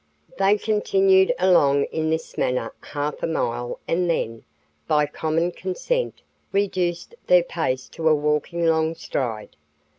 They continued along in this manner half a mile and then, by common consent, reduced their pace to a walking long stride.